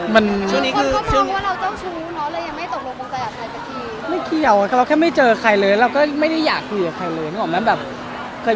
คนก็มองว่าเราเจ้าชู้เนาะเลยยังไม่ตกลงตัวอย่างใครเมื่อกี้